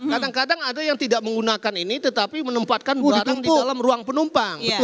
kadang kadang ada yang tidak menggunakan ini tetapi menempatkan hutang di dalam ruang penumpang